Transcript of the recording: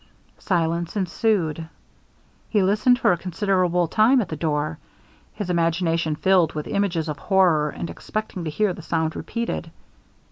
Silence ensued. He listened for a considerable time at the door, his imagination filled with images of horror, and expecting to hear the sound repeated.